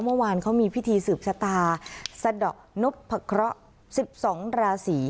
เมื่อวานเขามีพิธีสืบชะตาสะดอกนพะเคราะห์๑๒ราศี